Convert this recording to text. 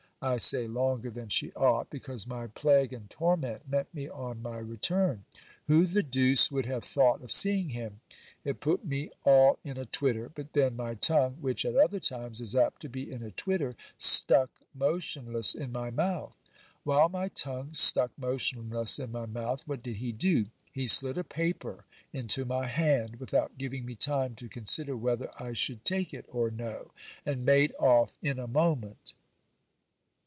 I say longer than she ought, because my plague and torment met me on my re turn. Who the deuce would have thought of seeing him ? It put me all in a twitter ; but then my tongue, which at other times is apt to be in a twitter, stuck motionless in my mouth. While my tongue stuck motionless in my mouth, what did he do? He slid a paper into my hand without giving me time to consider whether I should take it or no, and made oft' in a moment.